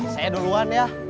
saya duluan ya